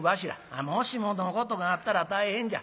もしものことがあったら大変じゃ。